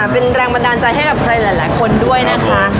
เป็นแรงบันดาลใจให้กับใครหลายคนด้วยนะคะ